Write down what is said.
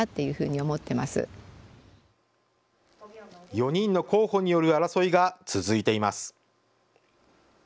４人の候補による争いが続いています。